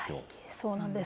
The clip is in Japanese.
そうなんです。